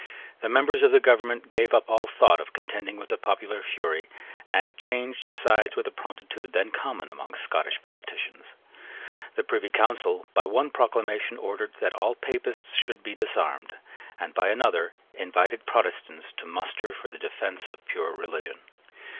The members of the government gave up all thought of contending with the popular fury, and changed sides with a promptitude then common among Scottish politicians. The Privy Council by one proclamation ordered that all Papists should be disarmed, and by another invited Protestants to muster for the defence of pure religion.